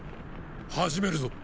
始めるぞ。